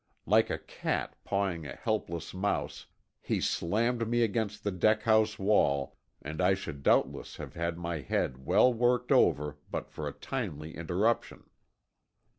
Like a cat pawing a helpless mouse, he slammed me against a deck house wall, and I should doubtless have had my head well worked over but for a timely interruption.